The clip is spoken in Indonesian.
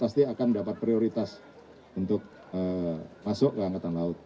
pasti akan dapat prioritas untuk masuk ke angkatan laut